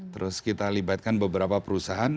terus kita libatkan beberapa perusahaan